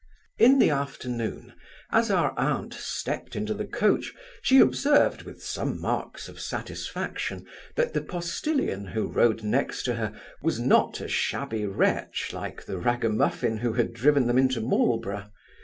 In the afternoon, as our aunt stept into the coach, she observed, with some marks of satisfaction, that the postilion, who rode next to her, was not a shabby wretch like the ragamuffin who had them into Marlborough.